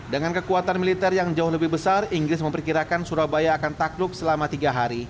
dengan kekuatan militer yang jauh lebih besar inggris memperkirakan surabaya akan takluk selama tiga hari